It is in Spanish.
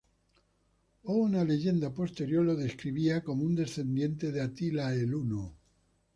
Una leyenda posterior lo describiría como un descendiente de Atila el Huno.